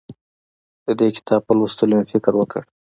د دې کتاب په لوستو مې فکر وکړ.